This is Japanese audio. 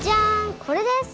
これです！